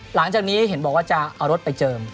หลังจากนี้เห็นบอกว่าจะเอารถไปเจิม